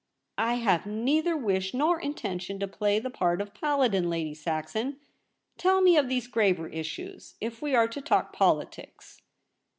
* I have neither wish nor intention to play the part of paladin, Lady Saxon. Tell me of these graver issues, if we are to talk politics.